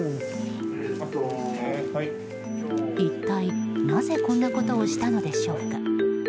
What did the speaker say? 一体なぜこんなことをしたのでしょうか。